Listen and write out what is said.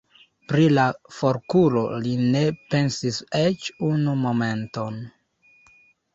Pri la forkuro li ne pensis eĉ unu momenton.